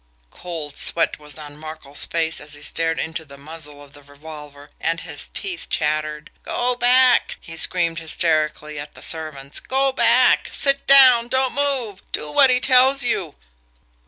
Cold sweat was on Markel's face as he stared into the muzzle of the revolver, and his teeth chattered. "Go back!" he screamed hysterically at the servants. "Go back! Sit down! Don't move! Do what he tells you!"